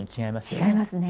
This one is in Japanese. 違いますね。